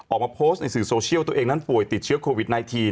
ออกมาโพสต์ในสื่อโซเชียลตัวเองนั้นป่วยติดเชื้อโควิด๑๙